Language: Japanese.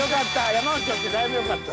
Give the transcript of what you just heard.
山内おってだいぶよかった。